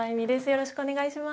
よろしくお願いします